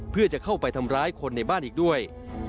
เพื่อจะเข้าไปทำร้ายคนในบ้านอีกด้วย